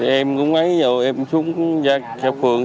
em cũng ấy rồi em xuống ra phường